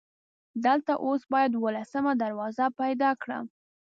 دلته اوس باید دولسمه دروازه پیدا کړم.